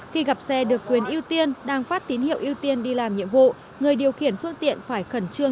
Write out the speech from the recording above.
khi gặp xe được quyền ưu tiên đang phát tín hiệu ưu tiên đi làm nhiệm vụ người điều khiển phương tiện phải khẩn trương